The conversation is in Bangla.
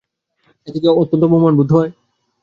এতে কি অত্যন্ত অপমান বোধ হয়।